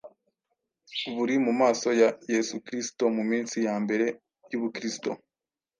buri mu maso ha Yesu Kristo Mu minsi ya mbere y’Ubukristo,